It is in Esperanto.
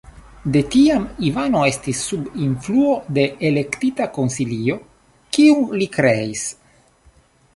De tiam Ivano estis sub influo de "Elektita Konsilio", kiun li kreis.